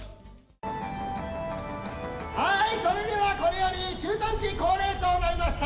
はーい、それではこれより駐屯地恒例となりました